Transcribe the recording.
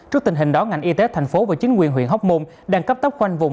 ngoài đó ngành y tế thành phố và chính quyền huyện hóc môn đang cấp tóc quanh vùng